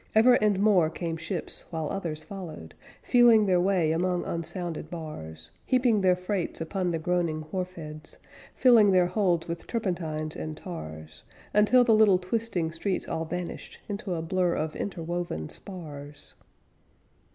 Ever, and more, came ships, while others followed. Feeling their way among unsounded bars, Heaping their freights upon the groaning wharf heads, Filling their holds with turpentines and tars, Until the little twisting streets all vanished Into a blur of interwoven spars.